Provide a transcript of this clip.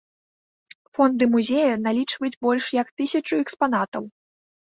Фонды музея налічваюць больш як тысячу экспанатаў.